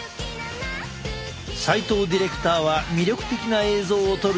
齊藤ディレクターは魅力的な映像を撮るため全力投球だ！